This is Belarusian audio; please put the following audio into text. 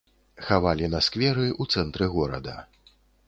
Хавалі на скверы, у цэнтры горада.